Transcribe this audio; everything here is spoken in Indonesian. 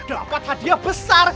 dapat hadiah besar